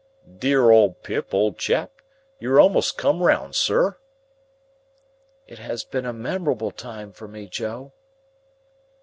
"Dear old Pip, old chap, you're a'most come round, sir." "It has been a memorable time for me, Joe."